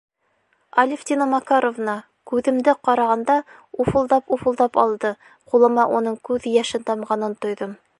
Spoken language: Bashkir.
Алевтина Макаровна, күҙемде ҡарағанда, уфылдап-уфылдап алды, ҡулыма уның күҙ йәше тамғанын тойҙом.